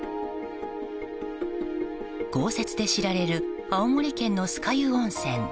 豪雪で知られる青森県の酸ヶ湯温泉。